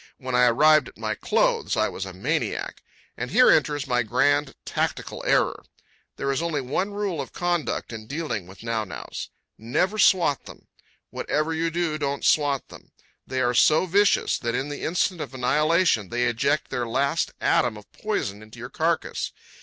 When I arrived at my clothes, I was a maniac. And here enters my grand tactical error. There is only one rule of conduct in dealing with nau naus. Never swat them. Whatever you do, don't swat them. They are so vicious that in the instant of annihilation they eject their last atom of poison into your carcass.